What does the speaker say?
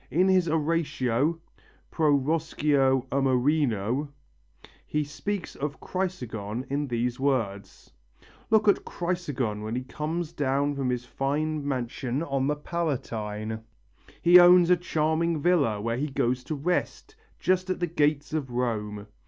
In his oratio (Pro Roscio Amerino) he speaks of Chrysogon in these words: "Look at Chrysogon when he comes down from his fine mansion on the Palatine! He owns a charming villa, where he goes to rest, just at the gates of Rome.